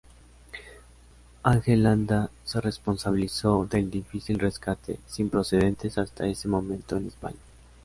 Ángel Landa se responsabilizó del difícil rescate, sin precedentes hasta ese momento en España.